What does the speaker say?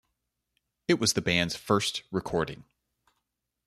It was the band's first recording.